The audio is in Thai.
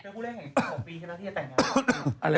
เป็นคู่แรกของปีใช่ไหมที่จะแต่งงานกัน